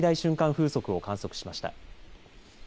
風速を観測しました。